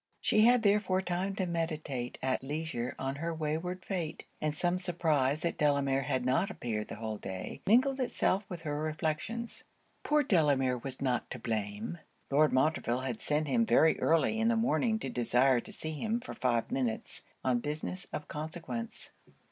She had therefore time to meditate at leisure on her wayward fate: and some surprise that Delamere had not appeared the whole day, mingled itself with her reflections. Poor Delamere was not to blame. Lord Montreville had sent him very early in the morning to desire to see him for five minutes on business of consequence.